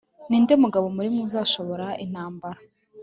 ni nde mugabo muri mwe uzashoza intambara